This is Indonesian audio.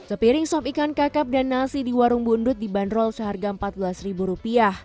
sepiring sob ikan kakak dan nasi di warung bu undut dibanderol seharga rp empat belas